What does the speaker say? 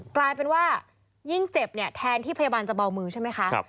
กลายเป็นว่ายิ่งเจ็บเนี่ยแทนที่พยาบาลจะเบามือใช่ไหมคะ